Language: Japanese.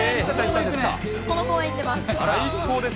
この公演行ってます。